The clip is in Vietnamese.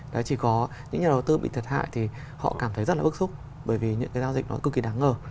đấy chỉ có những nhà đầu tư bị thiệt hại thì họ cảm thấy rất là bức xúc bởi vì những cái giao dịch nó cực kỳ đáng ngờ